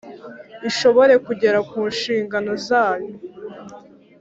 Ishobore kugera ku nshingano zayo